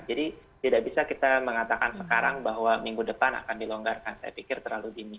jadi tidak bisa kita mengatakan sekarang bahwa minggu depan akan dilonggarkan saya pikir itu hal yang harus dilakukan